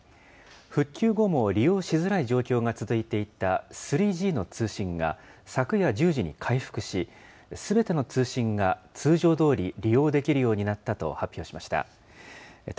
復旧後も利用しづらい状況が続いていた３Ｇの通信が、昨夜１０時に回復し、すべての通信が通常どおり利用できるようになったと発表しました。